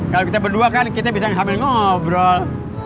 kalau kita berdua kan kita bisa sambil ngobrol